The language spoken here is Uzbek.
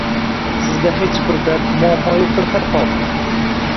Sizda hech bir dard, muammo yo`qdir har holda